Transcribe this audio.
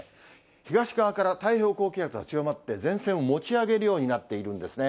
東側から太平洋高気圧が強まって、前線を持ち上げるようになっているんですね。